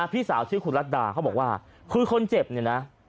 พี่สาวชื่อคุณรัฐดาเขาบอกว่าคือคนเจ็บเนี่ยนะ